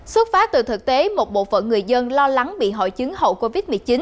xuất phát từ thực tế một bộ phận người dân lo lắng bị hội chứng hậu covid một mươi chín